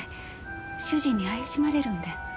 主人に怪しまれるんで。